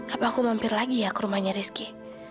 apa aku mampir lagi ya ke rumahnya rizky